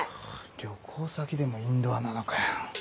旅行先でもインドアなのかよ。